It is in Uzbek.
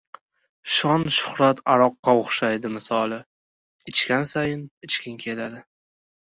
Shon-shuhrat aroqqa o‘xshaydi misoli. Ichgan sayin ichging keladi.